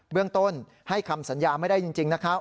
เรื่องต้นให้คำสัญญาไม่ได้จริงนะครับ